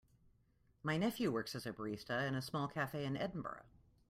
My nephew works as a barista in a small cafe in Edinburgh.